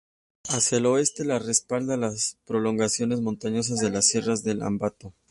Hacia el oeste, la respalda las prolongaciones montañosas de las Sierras del Ambato.